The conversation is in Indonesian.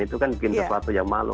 itu kan bikin sesuatu yang malu